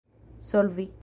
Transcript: solvi